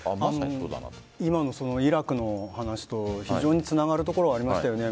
今のイラクのお話と非常につながるところはありますよね。